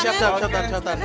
siap siap siap siap siap siap